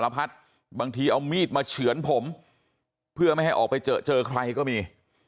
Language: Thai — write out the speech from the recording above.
บางทีเอามีดมาเฉือนผมเพื่อไม่ให้ออกไปเจอเจอใครก็มี